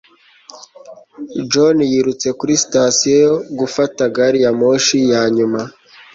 John yirutse kuri sitasiyo gufata gari ya moshi ya nyuma